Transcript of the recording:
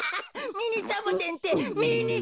ミニサボテンって！